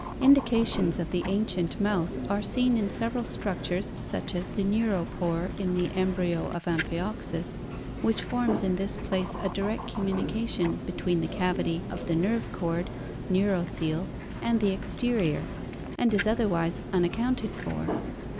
Indications of the ancient mouth are seen in several structures such as the neuropore in the embryo of Ampkioxus, which forms in this place a direct communication between the cavity of the nerve cord (neuroccele) and the exterior and is otherwise unaccounted for.